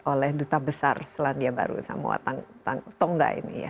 oleh duta besar selandia baru samoa tongga ini ya